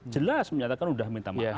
jelas menyatakan sudah minta maaf